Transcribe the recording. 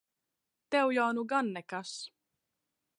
Tev jau nu gan nekas!